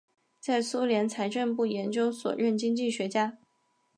在苏联财政部研究所任经济学家。